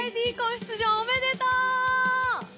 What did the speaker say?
出場おめでとう！